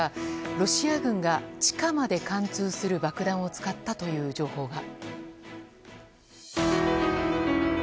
ロシア軍が地下まで貫通する爆弾を使ったという情報が。